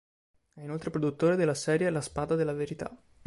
È inoltre produttore della serie "La spada della verità".